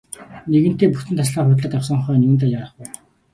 Нэгэнтээ бүтэн тасалгаа худалдаад авсан хойно юундаа яарах вэ.